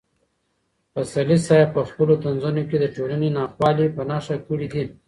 پسرلي صاحب په خپلو طنزونو کې د ټولنې ناخوالې په نښه کړې دي.